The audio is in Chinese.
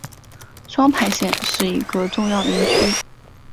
双牌县是一个重要林区。